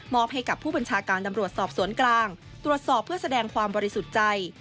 ให้กับผู้บัญชาการตำรวจสอบสวนกลางตรวจสอบเพื่อแสดงความบริสุทธิ์ใจ